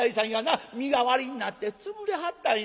身代わりになって潰れはったんや。